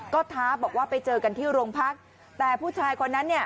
ก็ท้าบอกว่าไปเจอกันที่โรงพักแต่ผู้ชายคนนั้นเนี่ย